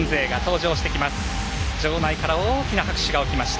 場内から大きな拍手が起きました。